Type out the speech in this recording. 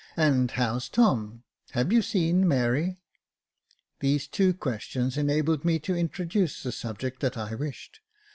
And how's Tom ? Have you seen Mary ?" These two questions enabled me to introduce the subject that I wished.